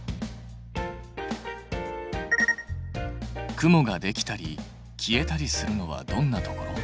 雲ができたり消えたりするのはどんなところ？